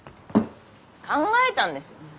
考えたんです。